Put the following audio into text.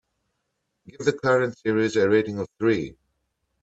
Give the current series a rating of three.